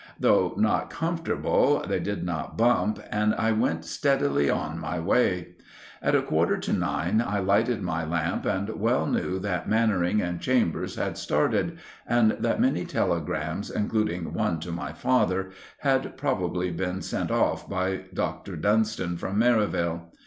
Though not comfortable, they did not bump, and I went steadily on my way. At a quarter to nine I lighted my lamp and well knew that Mannering and Chambers had started, and that many telegrams, including one to my father, had probably been sent off by Dr. Dunstan from Merivale.